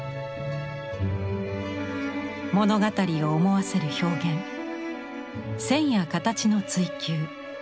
物語を思わせる表現線や形の追求。